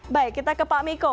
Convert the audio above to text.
baik kita ke pak miko